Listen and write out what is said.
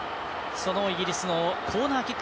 イギリスのコーナーキック。